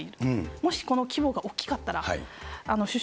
もしこの規模が大きかったら、首相